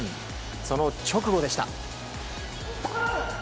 その直後でした。